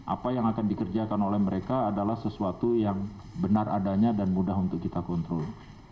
apa yang akan dikerjakan oleh mereka adalah sesuatu yang benar adanya dan mudah untuk kita kontrol